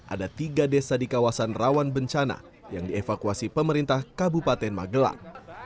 ada tiga desa di kawasan rawan bencana yang dievakuasi pemerintah kabupaten magelang